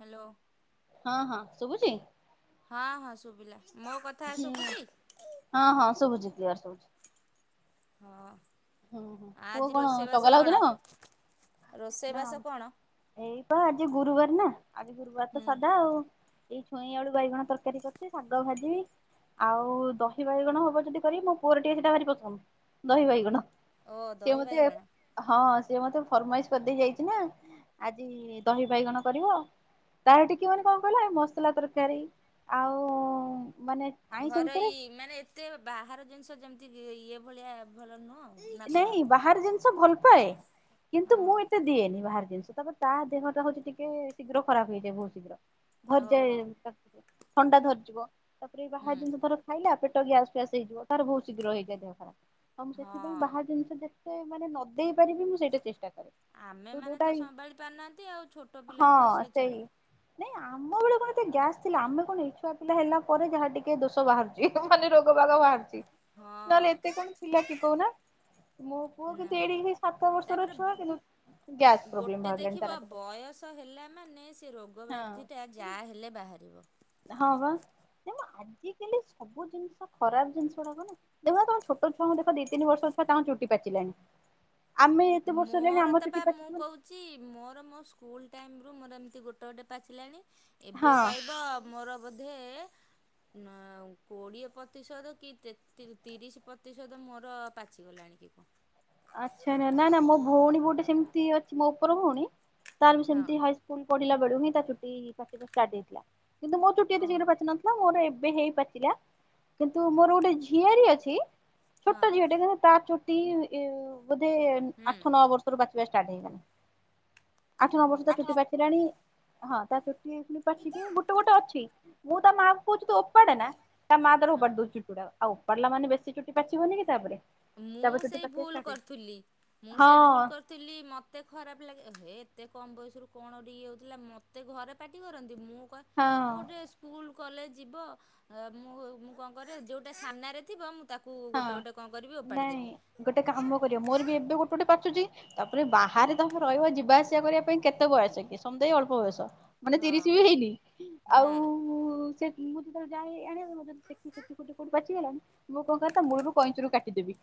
Hello. ହଁ ହଁ ଶୁଭୁଛି। ହଁ ହଁ ଶୁଭିଲା ମୋ କଥା ହୁଁ ଶୁଭୁଛି ହଁ ହଁ ଶୁଭୁଛି କ୍ଲିୟର। ହଁ ହୁଁ ହୁଁ ପୁଅ ଆଜି କଣ ରୋଷେଇବାସ ଚଗଲା ହଉଛି କଣ ନା ରୋଷେଇବାସ କଣ? ଏଇ ପା ଆଜି ଗୁରୁବାର ନା ଆଜି ଗୁରୁବାର ତ ହୁଁ। ସାଧା ଆଉ। ଛଇଁ, ଆଳୁ, ବାଇଗଣ ତରକାରୀ କରିଛି ଶାଗ ଭାଜିବି। ଆଉ ଦହି ବାଇଗଣ ହବ ଯଦି କରିବି ମୋ ପୁଅର ଟିକେ ସେଇଟା ଭାରି ପସନ୍ଦ ଦହି ବାଇଗଣ। ଓ ସିଏ ଦହି ମୋତେ ବାଇଗଣ। ହଁ ସିଏ ମତେ ଫରମାଇଜ୍ କରିଦେଇ ଯାଇଛି ନା ଆଜି ଦହି ବାଇଗଣ କରିବ। ତାର ଟିକେ ମାନେ କଣ କହିଲ ମସଲା ତରକାରୀ ଆଉ ମାନେ ଆଇଁଷ ଭିତରେ ଘରୋଇ ମାନେ ଏତେ ବାହାର ଜିନିଷ ଯେମିତି ଇଏ ଭଳିଆ ଭଲ ନୁହଁ। ନା କଣ? ନାଇଁ ବାହାର ଜିନିଷ ଭଲ ପାଏ। କିନ୍ତୁ ମୁଁ ଓହୋ ଏତେ ଦିଏନି ବାହାର ଜିନିଷ। ତା ଦେହଟା ହଉଛି ଟିକେ ଶୀଘ୍ର ଖରାପ ହେଇଯାଏ ବହୁତ ଶୀଘ୍ର ଧରିଯାଏ। ଓହୋ ଥଣ୍ଡା ଧରିଯିବ ତାପରେ ବାହାର ହୁଁ ଜିନିଷ ଧର ଖାଇଲା ପେଟ ଗ୍ୟାସ୍ ଫ୍ୟାସ୍ ହେଇଯିବ ତାର ବହୁତ ଶୀଘ୍ର ହେଇଯାଏ ଦେହ ଖରାପ କମ ହଁ। ଜିନିଷ ଯେତେ ମାନେ ନ ଦେଇ ପାରିବି ମୁଁ ସେଇଟା ଚେଷ୍ଟା କରେ। ତୁ ଆମେମାନେ ଯୋଉଟା ତ ସମ୍ଭାଳି ପାରୁନାହାଁନ୍ତି ଆଉ ଛୋଟ ହଁ ପିଲା ତ ସିଏ ସେଇ ଛାଡ଼। ନାଇଁ ଆମ ବେଳେ କଣ ଏ ଗ୍ୟାସ୍ ଥିଲା ଆମେ କଣ ଇ ଛୁଆ ପିଲା ହେଲା ପରେ ଯାହା ଟିକେ ଦୋଷ ବାହାରୁ ମାନେ ରୋଗ ବାଗ ବାହରୁଛି ନହେଲେ ହଁ ଏତେ କଣ ଥିଲା କି କହୁନ? ମୋ ପୁଅ ନା କିନ୍ତୁ ଏଡ଼ିକି ସାତ ବର୍ଷର ତାପରେ ଛୁଆ କିନ୍ତୁ ଗ୍ୟାସ୍ ପ୍ରୋବ୍ଲେମ ଗୋଟେ ବାହାରିଲାଣି ଦେଖିବ ତାର। ବୟସ ହେଲା ମାନେ ସେ ରୋଗ ହଁ ବ୍ୟାଧି ଯାହା ହେଲେ ବାହାରିବ। ହଁ ବା ତ ଆଜିକାଲି ସବୁ ଜିନିଷ ଖରାପ ଜିନିଷ ଗୁଡାକ ଦେଖ ତମ ଛୋଟଛୁଆଙ୍କୁ ଦେଖ ଦି ତିିନି ବର୍ଷ ଛୁଆ ତାଙ୍କ ଚୁଟି ପାଚିଲାଣି। ଆମେ ଏତେ ବର୍ଷ ହେଲାଣି ମୋର ଆମ ତ ବା ଚୁଟି ମୁଁ ପାଚି କହୁଛି ମୋର ମୋ ସ୍କୁଲ ଟାଇମ୍ ରୁ ମୋର ଏମିତି ଗୋଟେ ଗୋଟେ ପାଚିଲାଣି ହଁ ଏବେ କହିବ ମୋର ବୋଧେ ନା କୋଡ଼ିଏ ପତିଶତ କି ତେ ତି ତିରିଶ ପ୍ରତିଶତ ମୋର ପାଚିଗଲାଣିକି କଣ। ଆଚ୍ଛା ନା ନା ନା ମୋ ଭଉଣୀ ଗୋଟେ ସେମିତି ଅଛି ମୋ ଓପର ଭଉଣୀ ତାର ବି ହଁ। ସେମିତି ହା ସ୍କୁଲ ପଢିଲା ବେଳୁ ହିଁ ତା ଚୁଟି ପାଚିବା ଷ୍ଟାର୍ଟ ହେଇଥିଲା। କିନ୍ତୁ ମୋ ଚୁଟି ଏତେ ଓହୋ ଶୀଘ୍ର ପାଚିନ ନା ମୋର ଏବେ ହେଇ ପାଚିଲା କିନ୍ତୁ ମୋର ଗୋଟେ ଝିଆରୀ ଅଛି ହଁ ଛୋଟା ଝିଅ ଟେ [unintelligible] ତାର ଚୁଟି ଇଁ ବୋଧେ ହୁଁ। ଆଠ ନଅ ବର୍ଷ ରୁ ପାଚିବା ଷ୍ଟାର୍ଟ ହେଇଗଲାଣି। ଆଠ ନଅ ବର୍ଷ ତା ଆଠ ଚୁଟି ନମ୍ବର ପାଚିଲାଣି। ହଁ ତା ଚୁ ଗୋଟେ ଗୋଟେ ଅଛି ମୁଁ ତା ମାଆକୁ କହୁଛି ଓ ଉପାଡେ ନା। ତା ମା ତାର ହଁ। ଉପାଡ଼ି ଦଉଚି ଚୁଟି। ଆଉ ଓପାଡ଼ିଲା ମାନେ ବେଶୀ ଚୁଟି ପାଚିବନି କି ତାପରେ। ମୁଁ ତାପରେ ଚୁଟି ସେଇ ପାଚିବା ଭୁଲ୍ ଷ୍ଟାର୍ଟ ହେଇଯିବ କରୁଥିଲି। ମୁଁ ସେଇ ଭୁଲ ହଁ କର୍ ଥିଲି ମତେ ଖରାପ ଲାଗେ। ଏ ହେ ଏତେ କମ୍ ବୟସରୁ କଣ ଗୋଟେ ଇଏ ହେଉଥିଲା। ମୋତେ ଘରେ ପାଟି କରନ୍ତି। ମୁଁ କହେ ହଁ ଆଉ ଡ୍ରେସ୍ ସ୍କୁଲ କଲେଜ ଯିବ। ଏ ମୁଁ ମୁଁ କଣ କରେ ଯୋଉଟା ସାମ୍ନାରେ ଥିବ ମୁଁ ତାକୁ ହଁ। ଗୋଟେ ଗୋଟେ କଣ କରିବି ଓପାଡ଼ି ନାଇଁ ଦେବି। ଗୋଟେ କାମ କରିବ ମୋର ବି ଏବେ ଗୋଟେ ଗୋଟେ ପାଚୁଛି। ତାପରେ ବାହାରେ ତମେ ରହିବ ଯିବା ଆସିବା କରିବା ପାଇଁ କେତେ ବୟସ କି [unintelligible] ଅଳ୍ପ ବୟସ। ମାନେ ତିରିଶ ହଁ ବି ହେଇନି ନା ଆଉ ସେ ମୁଁ ଯେତେବେଳେ ଯାଏ ଆଣିବା ଆଉ ଯଦି ଦେଖିବି ଚୁଟି ଫୁଟି କୋଉଠୁ ପାଚିଗଲାଣି। ମୋ କହିବା କଥା ମୂଳରୁ କଇଁଚିରୁ କାଟିଦେବି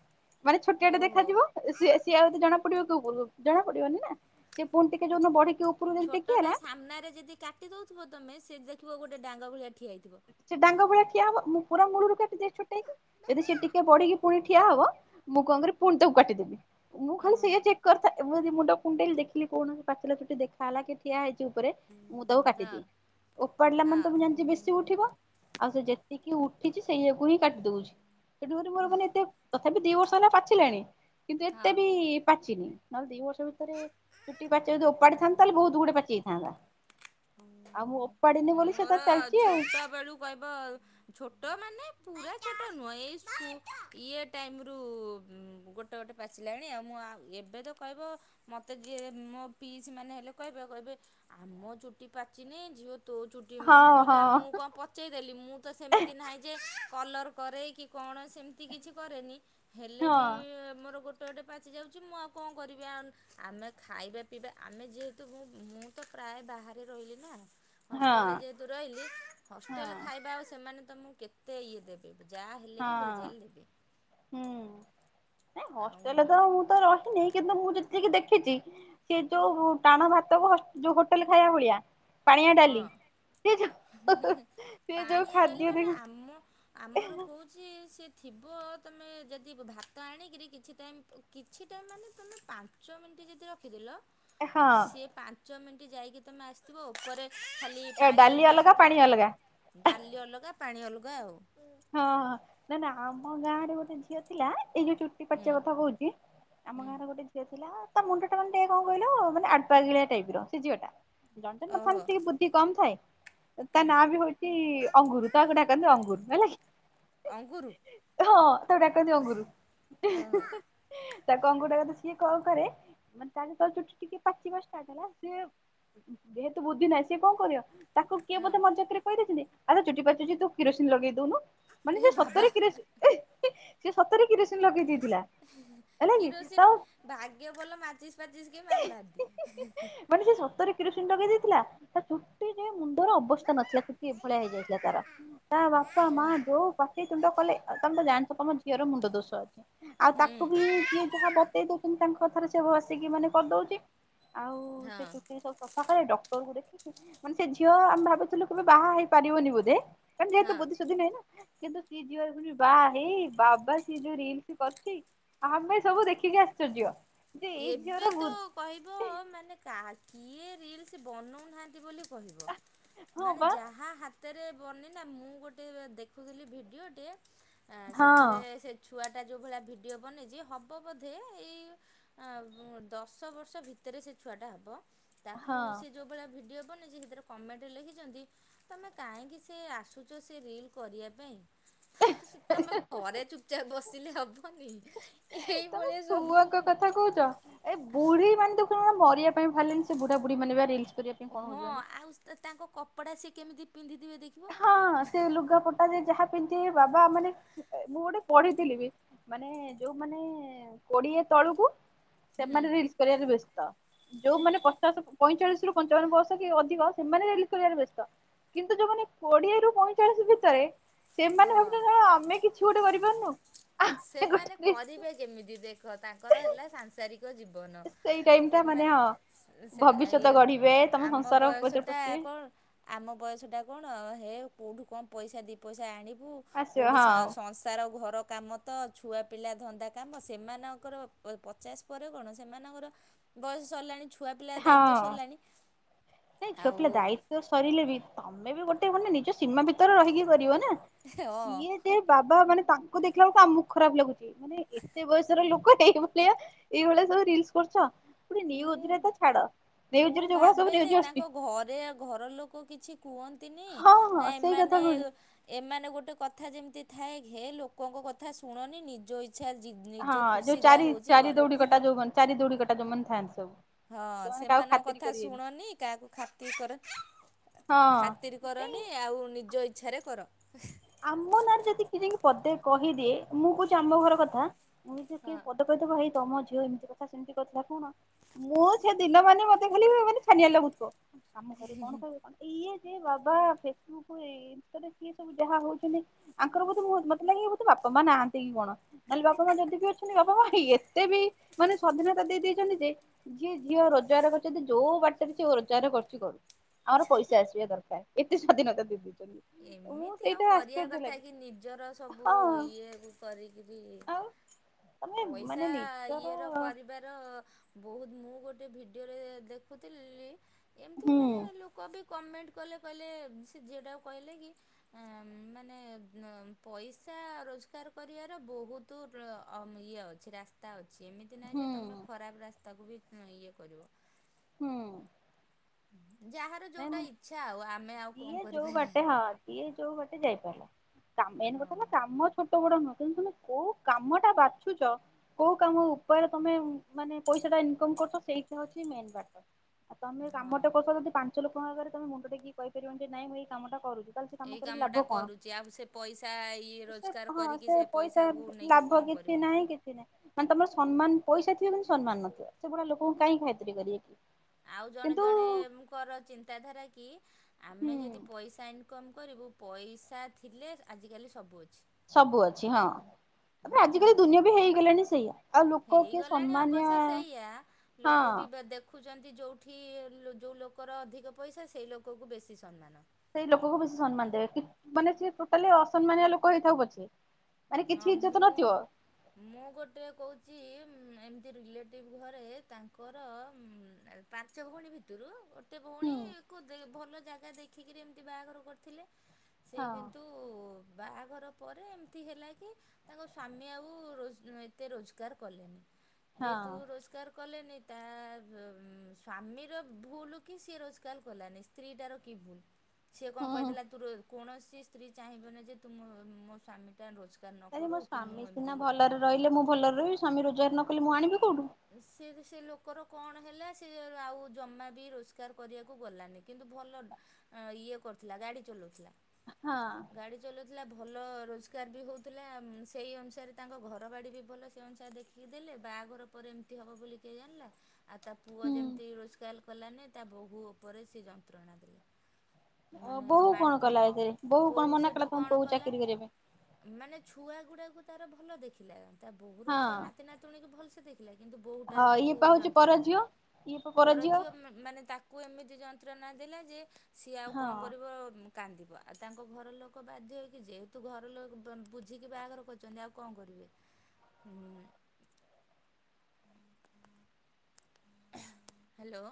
ମାନେ ଛୋଟିଆ ଟେ ଓହୋ ଦେଖାଯିବ। [unintelligible] ସେ ସିଏ ଆଉ ଏତେ ଜଣା ପଡିବ କି ଉପୁରୁକୁ ଜଣାପଡ଼ିବନି ନା। ସେ ପୁଣି ଟିକେ ଯୋଉ ଦିନ ବଢିକି ଉପରକୁ ଯଦି ଟେକି ହେଲା ଛୋଟଟା ସାମ୍ନାରେ ଯଦି କାଟି ଦେଉଥିବ ତମେ ସେ ଦେଖିବ ଗୋଟେ ଡାଙ୍ଗ ଭଳିଆ ଠିଆ ହେଇଥିବ। ସେ ଡାଙ୍ଗ ଭଳିଆ ଠିଆ ହବ। ମୁଁ ପୁରା ମୂଳରୁ କାଟିଦିଏ ଦେଇଛି ଛୋଟେଇକି। ଯଦି ସିଏ ଟିକେ ବଢିକି ପୁଣି ଠିଆ ହବ। ମୁଁ କଣ କରେ ପୁଣି ତାକୁ କାଟିଦେବି। ମୁଁ ଖାଲି ଓହୋ ସେଇଆ ଚେ କରିଥା ଏ ମୁଁ ଯଦି ମୁଣ୍ଡ କୁଣ୍ଡେଇଲି ଦେଖିଲି କୋଉଣ ପାଚିଲା ଚୁଟି ଦେଖା ହେଲା କି ଠିଆ ହେଇଛିି ଉପରେ ମୁଁ ତାକୁ କାଟିଦିଏ। ଓପାଡିଲା ହଁ ମାନେ ତ ମୁଁ ଜାଣିଚି ବେଶି ହଁ ଉଠିବ। ଆଉ ସେ ଯେତିକି ଉଠିଛି ସେଇଆାକୁ ହିଁ କାଟି ଦଉଛି। ତେଣୁ କରି ଓ ମୋର ମାନେ ଏତେ ତଥାପି ଦି ବର୍ଷ ହେଲା ପାଚିଲାଣି କିନ୍ତୁ ଏତେ ବି ପାଚିନି। ନହେଲେ ଦି ବର୍ଷ ଭିତରେ ଚୁଟି ପାଚେଇ ଯଦି ଓପାଡିଥାନ୍ତି ତାହେଲେ ବହୁତ ଗୁଡେ ପାଚିଯାଇଥାନ୍ତା। ଆଉ ମୁଁ ଓ ହଁ। ମୋର ଛୋଟବେଳୁ କହିବ ଛୋଟ ମାନେ ପୁରା ଛୋଟ ନୁହଁ। ଏଇ ସ୍କୁ ଇଏ ଟାଇମ ରୁ ଉଁ ଗୋ ଗୋଟେ ଗୋଟେ ପାଚିଲାଣି ଆଉ। ମୁଁ ଆଉ ଏବେ ତ କହିବ ମତେ ଯିଏ ମୋ ପିଇସି ମାନେ ହେଲେ କଇବେ କଇବେ ଆମ ଚୁଟି ପାଚିନି ଝିଅ ତୋ ଚୁଟି ଏମିତି। ହଁ ମୁଁ କହିଲି ଆ ହଁ। ମୁଁ କଣ ପ ପଚେଇ ଦେଲି ମୁଁ ତ ସେମିତି ନାହିଁ ଯେ କଲର୍ କରେ କି କଣ ସେମିତି କିଛି କରେନି। ହେଲେ ହଁ ବି ମୋର ଗୋ ଗୋଟେ ଗୋଟେ ପାଚି ଯାଉଛି ମୁଁ ଆଉ କଣ କରିବି ଆଉ। ଆମେ ଖାଇବା ପିଇବା ଆମେ ଯେହେତୁ ମୁଁ ମୁଁ ତ ପ୍ରାୟ ବାହାରେ ରହିଲି ନା। ହଷ୍ଟେଲରେ ହଁ ଯେହେତୁ ରହିଲି। ହଷ୍ଟେଲ ହଁ ଖାଇବା ଆଉ ସେମାନେ ତମୁକୁ କେତେ ଇଏ ଦେବେ। ଯାହା ହେଲେ ବି ହଁ ଭେଜାଲ୍ ଦେବେ। ହୁଁ, ନାଇଁ ଆଉ ହଷ୍ଟେଲରେ ତ ମୁଁ ତ ରହିନି କିନ୍ତୁ ମୁଁ ଯେତିକି ଦେଖିଛି। ସିଏ ଯୋଉ ଟାଣ ଭାତକୁ ହସ୍ ଯୋଉ ହୋଟେଲ ଖାଇବା ଭଳିଆ ପାଣିଆ ଡାଲି। ହଁ ସେ ଯୋଉ ସେ ଯୋଉ ପାଣିଆ ଡାଲି ଖାଦ୍ୟ ଦେ ମାନେ ଆମ ଆମର କୋଉ ଚି ସେ ଥିବ ତମେ ଯଦି ଭାତ ଆଣିକରି କିଛି ଟାଇମ୍ କିଛି ଟାଇମ୍ ମାନେ ତୁମେ ପା ଞ୍ଚ ମିନିଟ୍ ଯଦି ରଖିଦେଲ। ହଁ ସିଏ ପାଞ୍ଚ ମିନିଟ୍ ଯାଇକି ତମେ ଆସିିଥିବ ଓପରେ ଏ ପାଣି ଡାଲି ଅଲଗା ଭାସିଥିବ। ପାଣି ଅଲଗା ଡାଲି ଅଲଗା ପାଣି ଅଲଗା ଆଉ। ହଁ, ନା ନା ଆମ ଗାଁରେ ଗୋଟେ ଗୋଟେ ଝିଅ ଥିଲା ଏଇ ଯୋଉ ଚୁଟି ହୁଁ ପାଚିବା କଥା କହୁଛି ଆମ ହୁଁ ଗାଁର ଗୋଟେ। ଝିଅ ଥିଲା ତା ମୁଣ୍ଡ ଟା ମାନେ ଟିକେ କଣ କହିଲ ମାନେ ଆଡପଗିଳିଆ ଟାଇପ୍ ର ସେ ଝଅ ଟା। ଜଣେ ଜଣେ ଓହୋ ନଥାନ୍ତି ଟିକେ ବୁଦ୍ଧି କମ୍ ଥାଏ ତା ହୁଁ ନାଁ ବି ହଉଚି। ସେ ଅଙ୍ଗୁରୁ ତାକୁ ଡାକନ୍ତି ଅଙ୍ଗୁରୁ ହେଲାକି। ଅଙ୍ଗୁରୁ। ହଁ ହଁ ତାକୁ ଡାକନ୍ତି ଅଙ୍ଗୁରୁ ଇ ହିଁ ଓହୋ ହିଁ ତାକୁ ଅଙ୍ଗୁର ଡାକନ୍ତି ସିଏ କଣ କରେ। ମାନେ ତା ତ ଚୁଟି ଟିକେ ପାଚିବା ଷ୍ଟାର୍ଟ ହେଲା ସି ଯେହେତୁ ବୁଦ୍ଧି ନାହିଁ ସିଏ କଣ କରିବ? ତାକୁ କିଏ ହଁ ବୋଧେ ମଜାକ୍ ରେ କହିଦେଇଛନ୍ତି ଆରେ ଚୁଟି ପାଚୁଚି ତୁ କିରୋସିନ ଲଗେଇ ଦଉନୁ। ମାନେ ଏ ସେ ବାବା ସତରେ କିରାସି ଇ ହିଁ ସତରେ କିରୋସିନ ଲଗେଇ ଦେଇଥିଲା। ହେଲା କି ତା କିରୋସିନ ଭାଗ୍ୟ ଭଲ ମାଚିସ୍ ପାଚିସ୍ କେହି ମାରିନାହାନ୍ତି ହେଁ ହେଁ। ମାନେ ସେ ସତରେ କିରୋସିନ୍ ଲଗେଇ ଦେଇଥିଲା। ଚୁଟି ଯେ ମୁଣ୍ଡର ଅବସ୍ଥା ନଥିଲା ଚୁଟି ଏଭଳିଆ ହେଇଯାଇଥିଲା ତାର ତା ବାପା ମା ଯୋଉ କଥା। ପାଟି ତୁଣ୍ଡ କଲେ ତମେ ତ ଜାଣିଛ ତମ ଝିଅର ମୁଣ୍ଡ ଦୋଷ ଅଛି। ଆଉ ହୁଁ। ତାକୁ ବି ଯିଏ ଯାହା ବତେଇ ଦଉଛନ୍ତି ତାଙ୍କ କଥାରେ ସେବୁ ଆସିକି ମାନେ। କରିଦଉଛି ଆଉ ସେ ହଁ ଚୁଟି ସବୁ। ସକାଳେ ଡକ୍ଟର କ ଦେଖିକି ମାନେ ସେ ଝିଅ ଆମେ ଭାବି ଥିଲୁ କେବେ ବାହା ହେଇପାରିବନି ବୋଧେ। କ ଯେହେତୁ ହଁ। ବୁଦ୍ଧି ସୁଦ୍ଧି ନାଇଁ କିନ୍ତୁ। ସିଏ ଝିଅ ଏବେ ବା ହେଇ ବାବା ସିଏ ଯୋଉ ରିଲସ୍ କରୁଛି। ଆମେ ସବୁ ଦେଖିକି ଆଶ୍ଚର୍ଯ୍ୟ ଯେ ଏଇ ଝିଅ। ଏବେ ତ କହିବ ମାନେ କିଏ ରିଲସ୍ ବନଉନାହାନ୍ତି ବୋଲି କହିବ। ହଁ ମାନେ ବା ଯାହା ହାତରେ ବନି ନା ମୁଁ ଗୋଟେ ଦେଖୁଥିଲି ଭିଡ଼ିଓଟେଏ--ଭିଡ଼ିଓଟେଏ। ହଁ ସେଥିରେ ସେ ଛୁଆଟା ଯେଉଁ ଭଳିଆ ଭିଡ଼ିଓ ବନେଇଛି ହବ ବୋଧେ ଏଇ। ଆଁ ଦଶ ବର୍ଷ ଭିତରେ ସେ ଛୁଆଟା ହେବ ତାକୁ ହଁ ସେ। ଯେଉଁ ଭଳିଆ ଭିଡ଼ିଓ ବନେଇଛି ସେଥିରେ କମେଣ୍ଟରେ ଲେଖିଛନ୍ତି। ତମେ କାହିଁକି ସେ ଆସୁଛ ସେ ରିଲ୍ କରିବା ପାଇଁ। ତମେ ଘରେ ଚୁପଚାପ ବସିଲେ ହବନି ତମେ ଏଇଭଳିଆ ସବୁ। ଛୁଆଙ୍କ କଥା କହୁଚ ଏ ବୁଢୀ ମାନେ ଦେଖୁନ ମରିବା ପାଇଁ ବାହାରିଲେଣି ସେ ବୁଢା ବୁଢ଼ୀ ମାନେ ପା ରିଇସ୍। ହଁ ଆଉ ତାଙ୍କ କପଡା ସିଏ କେମିତି ପିନ୍ଧିଥିବେ ଦେଖି। ହଁ ସେ ଲୁଗାପଟା। ଯେ ଯାହା ପିନ୍ଧି ଥିବେ ବାବା ମାନେ ମୁଁ ଗୋଟେ ପଢିଥିଲି ବି ମାନେ ଯୋଉମାନେ। କୋଡିଏ ତଳକୁ ହୁଁ ସେମାନେ ରେଲ୍ସ କରିବାରେ ବ୍ୟସ୍ତ ଯୋଉମାନେ ପଚାଶ। ପଇଁଚାଳିଶି ରୁ ପଞ୍ଚାବନ ବର୍ଷ କି ଅଧିକ ସେମାନେ ରିଲସ୍ କରିବା ରେ ବ୍ୟସ୍ତ କିନ୍ତୁ ଯୋଉମାନେ କୋଡିଏରୁ। ପଇଁଚାଳିଶ ଭିତରେ ସେମାନେ ହଁ। ଭାବୁଛନ୍ତି ଆମେ କିଛି ଗୋଟେ କରିପାରୁନୁ। ଆମେ ସେମାନେ ଗୋଟେ କରିବେ କେମିତି ଦେଖ ତାଙ୍କର ହେଲା ସାଂସାରିକ। ଜୀବନ ସେଇ ଟାଇମ ଟା ମାନେ ହଁ ସେମାନେ ଭବିଷ୍ୟତ ଇଏ ଗଢିବେ ତମ ଆମ ସଂସାର ବୟସ। ଭିତରେ ଟା ପଶିବେ କଣ ଆମ ବୟସଟା କଣ ହେ କେଉଁଠୁ କଣ ପଇସା ଦୁଇ ପଇସା ଆଣିବୁ। ଆସିବ କୋଉଠି ହଁ ସଂସାର ଘର କାମ। ତ ଛୁଆପିଲା ଧନ୍ଦା କାମ ସେମାନଙ୍କର ପଚାଶ ପରେ କଣ ସେମାନଙ୍କର ତ। ବୟସ ସରିଲାଣି ଛୁଆ ପିଲା ଦାୟିତ୍ୱ ହଁ ସରିଲାଣି ନାଇଁ ଝିଅ ଆଉ। ପିଲା ଦାୟିତ୍ଵ ସରିଲେ ବି। ତମେ ବି ଗୋଟେ ମାନେ ନିଜ ସୀମା ଭିତରେ ରହିକି କରିବ ନା ସିଏ ହଁ ଯେ ବାବା ମାନେ ତାଙ୍କ। ଦେଖିଲା ବେଳକୁ ଆମକୁ ଖରାପ୍ ଲାଗୁଛି ମାନେ ଏତେ ବୟସର ଲୋକ। ଏଭଳିଆ ଏଇଭଳିଆ ସବୁ ରିଲସ୍ କରୁଛ ପୁଣି ନେୱଜ୍ ରେ ମୁଁ ତ। ଛାଡ ମୁଁ ନିୟୁଜରେ ଯୋଉ ଭଳିଆ ଭାବେ ସବୁ ନିୟୁଜ ଯେ ଆସୁଛି ତାଙ୍କ ଘରେ। ଘର ଲୋକ କିଛି କୁହନ୍ତିନି ହଁ ହଁ ନା ସେଇ କଥା ଏମାନେ। କହୁଛି ଏମାନେ ଗୋଟେ କଥା ଯେମିତି ଥାଏ ହେ ଲୋକଙ୍କ କଥା ଶୁଣନି ନିଜ ଇ ଛା ହଁ ନିଜ ଯୋଉ ଖୁସି ଯାହା ଚାରି ହଉଛି ଚାରି କର। ଦୌଡି କଟା ଯୋଉମାନେ ଚାରି ଦୋଡ଼ିିକଟା ଯଉମାନେ ଥାଆନ୍ତି ସବୁ ହଁ ସେମାନେ କାହାକୁ ସେମାନଙ୍କ ଖାତିରି କଥା କରିବେନି ଶୁଣନି କାହାକୁ ଖାତିର କର ଖାତିର୍ ହଁ ନାଇଁ କରନି ଆଉ ନିଜ ଇଚ୍ଛାରେ କର ଆମ ନାଁରେ ଯଦି କିଏ ଯଦି ପଦେ କହିଦିଏ ମୁଁ କହୁଛି ଆମ ଘର କଥା ମୁଁ କି ହଁ। ପଦ କହିଦବ ଭାଇ ତମ ଝିଅ ଏମିତି କଥା ସେମିତି କହିଥିଲା କଣ ମୁଁ ସେ ଦିନ ମାନେ ମତେ ଖାଲି ମାନେ ଛାନିଆ ଲାଗୁଥିବ ଆମ ଘରେ କଣ କହିବ କ ଇଏ ଯେ ବାବା ଫେସବୁକ୍ ଇନ୍‌ଷ୍ଟାରେ ଏ ସବୁ ଯାହା ହଉଛନ୍ତି ଆଙ୍କର ବୋଧେ ମତେ ଲାଗେ ବୋଧେ ବାପା ମା ନାହାନ୍ତି କି କଣ ନହଲେ ବାପା ମା ଯଦି ବି ଅଛନ୍ତି ବାପା ମା ଏତେ ବି ମାନେ ସ୍ଵାଧୀନତା ଦେଇ ଦେଇଛନ୍ତି ଯେ ଯିଏ ଝିଅ ରୋଜଗାର କରିୁଛନ୍ତି ଯୋଉ ବାଟରେ ସେ ରୋଜଗାର କରୁଛି କରୁ ଆମର ପଇସା ଆସିବା ଦରକାର ଏତେ ସ୍ଵାଧୀନତା ଦେଇ ଦେଇଛନ୍ତି। ମୁଁ ଏମିତି ଆଉ ସେଇଟା କରିବା ଆଶ୍ଚର୍ଯ୍ୟ କଥା ଲାଗେ କି ନିଜର ସବୁ ହଁ ଇଏ କରି କିରି ଆଉ ତମେ ମାନେ ନିଜର ବାର ବହୁ ମୁଁ ଗୋଟେ ଭିଡିଓରେ ଦେଖୁଥିଲି ଏମିତି ହୁଁ ମାନେ ଲୋ ଲୋକବି କମେଣ୍ଟ କଲେ କହିଲେ ସେ ଝିଅଟାକୁ କହିଲେ କି ମାନେ ପଇସା ରୋଜଗାର କରିବାର ବହୁତ ତ ଇଏ ଅଛି ରାସ୍ତା ଅଛି ଏମିତି ଏମିତି ନାହିଁ ହୁଁ ଯେ ତୁମେ ଖରାପ ରାସ୍ତାକୁ ବି ଇଏ କରିବ ହୁଁ ଯାହାର ନାଇଁ ଯୋଉଟା ମୁଁ ଇଚ୍ଛା ଆଉ ଆମେ ଆଉ କଣ ଯିଏ ଯୋଉ କରିପାରିବା ବାଟେ ହଁ ଯିଏ ଯୋଉ ବାଟେ ଯାଇପାରିଲା ମେନ୍ କଥା ହେଲା ହଁ। କାମ ଛୋଟ ବଡ ନୁହଁ କିନ୍ତୁ ତୁମେ କୋଉ କାମ ଟା ବାଛୁଛ କୋଉ କାମ ଉପାୟରେ ତମେ ମାନେ ପଇସା ଟା ଇନ୍ କମ କରୁଛ ସେଇଟା ହଉଛି ମେନ୍ କାମ ଆଉ ତମେ କାମ ଟା ହଁ କରୁଛ ଯଦି ପାଞ୍ଚ ଲୋକଙ୍କ ଆଗରେ ତମେ ମୁଣ୍ଡ ଟିକି କହିପାରିବନି ଯେ ନାଇଁ ମୁଁ ଏଇ କାମ ଟା କରୁଛି ତାହେଲେ ସେ କାମ ଏଇ କରିକି କାମଟା ଲାଭ କରୁଛି ଆଉ ସେ ପଇସା ଇଏ କଣ ସେ ରୋଜଗାର ହଁ କରିକି ସେ ପଇସା ହେମ୍ ପଇସାକୁ ନେଇକି ଲାଭ କଣ କି କିଛି କରିବ। ନାହିଁ କି କିଛି ନାହିଁ ମାନେ ତମର ସମ୍ମାନ ପଇସା ଥିବ କିନ୍ତୁ ସମ୍ମାନ ନଥିବ ସେଗୁଡ଼ା ଲୋକଙ୍କୁ କାହିଁ ଖାତିର୍ କରିବେ କି ଆଉ ଜଣେ କିନ୍ତୁ ଜଣେଙ୍କର ଚିନ୍ତାଧାରା କି ହୁଁ ଆମେ ଯଦି ପଇସା ଆଇନ ଇନକମ୍ କରିବୁ ପଇସା ଥିଲେ ଆଜିକାଲି ସବୁ ଅଛି। ସବୁ ଅଛି ହଁ ତାପରେ ହଁ ମୁଁ ଆଜିିକାଲି ଦୁନିଆ ବି ହେଇଗଲାଣି ସେଇଆ। ଆଉ ଲୋକ କିଏ ହେଇଗଲାଣି ସମ୍ମାନୀୟ ଅବଶ୍ୟ ସେଇଆ ହଁ ଲୋକ ବି ବ ଦେଖ ଦେଖୁଚନ୍ତି ଯୋଉଠି ଯୋଉ ଲୋକର ଅଧିକ ପଇସା ସେଇ ଲୋକକୁ ବେଶୀ ସମ୍ମାନ। ସେଇ ଲୋକକୁ ବେଶୀ ସମ୍ମାନ ଦେବେ ମାନେ ସିଏ ଟୋଟାଲି ଅସମ୍ମାନୀୟ ଲୋକ ହେଇଥାଉ ପଛେ। ମାନେ କିଛି ହଁ ଇଜ୍ଜତ ମୁଁ ନଥିବ ମୁଁ ଗୋଟେ କହୁଚି ଉଁ ଏମିତି ରିଲେଟିଭ୍ ଘରେ ତାଙ୍କର ଉଁ-ଉଁ-ଉଁ ପାଞ୍ଚ ଭଉଣୀ ଭିତରୁ ଗୋଟେ ହୁଁ ଭଉଣୀ କୁ ଦି ଭଲ ଜାଗା ଦେଖିକିରି ଏମିତି ବାହାଘର କରିଥିଲେ। ସେ ହଁ କିନ୍ତୁ ବାହାଘର ପରେ ଏମିତି ହେଲା କି ତାଙ୍କ ସ୍ୱାମୀ ଆଉ ରୋ ଏତେ ରୋଜଗାର କଲେନି ଯେହେତୁ ହଁ ରୋଜଗାର କଲେନି ତା ବ ଉଁ ସ୍ଵାମୀର ଭୁଲ୍ କି ସିଏ ରୋଜଗାର କଲାନି। ସ୍ତ୍ରୀଟାର କି ଭୁଲ। ସେ କଣ ହୁଁ। କହିଦେଲା ତୋର କୌଣସି ସ୍ତ୍ରୀ ଚାହିଁବନି ଯେ ତୁ ମୋ ମୋ ସ୍ଵାମୀ ଟା ରୋଜ ରୋଜଗାର ନ ଆରେ ମୋ କରୁ କି ମୁଁ ସ୍ଵାମୀ ସିନା ଏମିତି ଭଲରେ ରହିଲେ ମୁ ଭଲରେ ରହିବି ସ୍ୱାମୀ ରୋଜଗାର ନ କଲେ ମୁ ଆଣିବି କୋଉଠୁ। ସେ ବି ସେ ଲୋକର କଣ ହେଲା ସେ ଆଉ ଜମା ବି ରୋଜଗାର କରିବାକୁ ଗଲାନି। କିନ୍ତୁ ଭଲ ଆଁ ଇଏ କରୁଥିଲା ଗାଡି ଚଲଉଥିଲା। ହଁ। ଗାଡ଼ି ଚଲଉଥିଲା ଭଲ ରୋଜଗାର ବି ହଉଥିଲା ସେଇ ଉଁ ଅନୁସାରେ ତାଙ୍କ ଘର ବାଡ଼ି ବି ଭଲ ସେଇ ଅନୁସାରେ ଦେଖି କି ଦେଲେ ବାହାଘର ପରେ ଏମିତି ହବ ବୋଲି କିଏ ଜାଣିଲା। ଆଉ ତା ପୁଅ ହୁଁ। ଯେମିତି ରୋଜଗାଲ କଲାନି ତା ବୋହୂ ଉପରେ ସେ ଯନ୍ତ୍ରଣା ଦେଲା। ମାନେ ବୋହୂ କଣ କଲା ମାଡ଼ପିଟ ଏଥିରେ ବୋହୂ କଣ ବୋହୁ ମନା ସେଠୁ କଲା ତମ କଣ ପୁଅକୁ କଲା ଚାକିରି କରିବା ମାନେ ଛୁଆ ଗୁଡାକୁ ତାର ଭଲ ଦେଖିଲା ତା ବୋହୁର ଛୁଆ ପାଇଁ ନାତି ନାତିୁଣୀ କୁ ଭଲ ସେ ଦେଖ ଥିଲା କିନ୍ତୁ ହଁ ବହୁଟାର ହଁ କୁ ଇଏ ପା ହଉଛି ପର ଯନ୍ତ୍ରଣା ଝିଅ ଇଏ ପା ପର ଝିଅ ମାନେ ତାକୁ ଏମିତି ଯନ୍ତ୍ରଣା ଦେଲା ଯେ ସିଏ ଆଉ କଣ ହଁ କରିବ କାନ୍ଦିବ ଆଉ ତାଙ୍କ ଘର ଲୋକ ବାଧ୍ୟ ହୋଇକି ଯେହେତୁ ଘର ଲୋକ ଦ ବୁଝିକି ବାହାଘର କ ଛନ୍ତି ଆଉ କଣ କରିବେ ହୁଁ। ହ୍ୟାଲୋ।